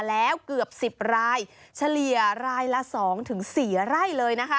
แล้วเกือบ๑๐รายเฉลี่ยรายละ๒๔ไร่เลยนะคะ